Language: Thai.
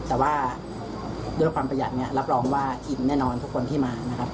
แต่ว่าด้วยความประหยัดเนี่ยรับรองว่าอิ่มแน่นอนทุกคนที่มานะครับ